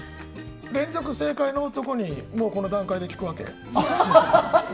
連続正解の男にもうこの段階で聞くわけ？